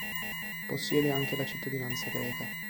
Possiede anche la cittadinanza greca.